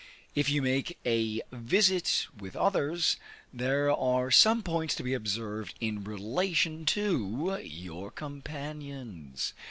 If you make a visit with others, there are some points to be observed in relation to your companions.